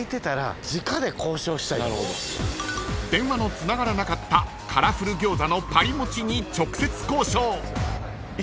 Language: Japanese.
［電話のつながらなかったカラフル餃子のＰＡＲＩ−ＭＯＣＨＩに直接交渉］